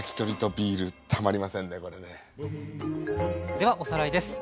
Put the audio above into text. ではおさらいです。